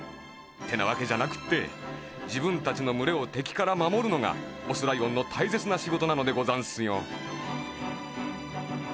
てなわけじゃなくってじぶんたちのむれをてきからまもるのがオスライオンのたいせつなしごとなのでござんすよ。